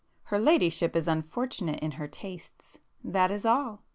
Her ladyship is unfortunate in her tastes,—that is all!